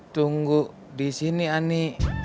tunggu di sini ani